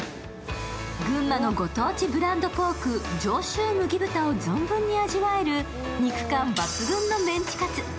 群馬のご当地ブランドポーク、上州麦豚を存分に味わえる肉感抜群のメンチカツ。